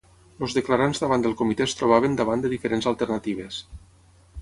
Els declarants davant del comitè es trobaven davant de diferents alternatives.